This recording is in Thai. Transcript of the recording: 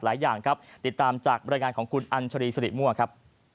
อย่างครับติดตามจากบรรยายงานของคุณอัญชรีสริมั่วครับ